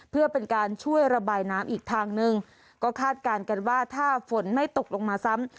เพื่อเป็นการช่วยระบายน้ำอีกทางหนึ่งก็คาดการณ์กันว่าถ้าฝนไม่ตกลงมาซ้ำ